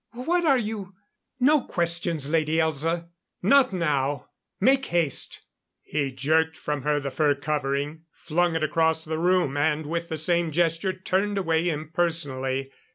What are you " "No questions, Lady Elza. Not now. Make haste " He jerked from her the fur covering, flung it across the room, and with the same gesture turned away impersonally.